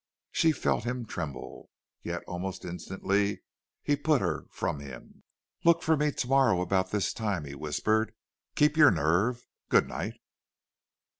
She felt him tremble. Yet almost instantly he put her from him. "Look for me to morrow about this time," he whispered. "Keep your nerve.... Good night."